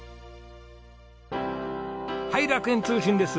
はい楽園通信です。